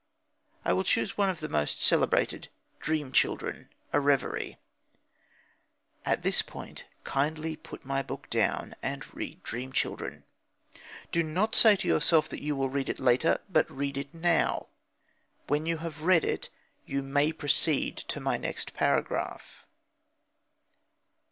I will choose one of the most celebrated, Dream Children: A Reverie. At this point, kindly put my book down, and read Dream Children. Do not say to yourself that you will read it later, but read it now. When you have read it, you may proceed to my next paragraph.